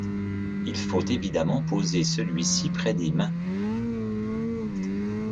Il faut évidemment poser celui-ci près des mains.